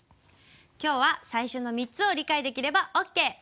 今日は最初の３つを理解できればオーケー。